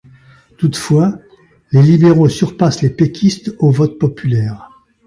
Toutefois, les libéraux surpassent les péquistes au vote populaire.